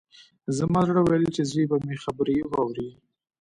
زما زړه ویل چې زوی به مې خبرې واوري